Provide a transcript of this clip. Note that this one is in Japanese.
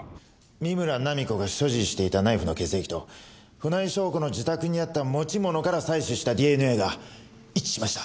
三村菜実子が所持していたナイフの血液と船井翔子の自宅にあった持ち物から採取したＤＮＡが一致しました。